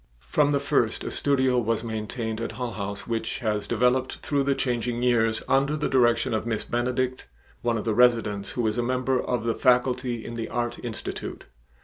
From the first a studio was maintained at Hull House which has developed through the changing years under the direction of Miss Benedict, one of the residents who is a member of the faculty in the Art Institute.